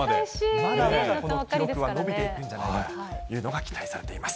記録は伸びていくんじゃないかというのが期待されています。